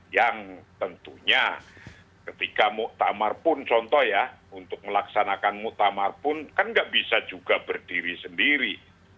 yang tentunya ketika muktamar pun contoh ya untuk melaksanakan muktamar pun kan nggak bisa juga berdiri sendiri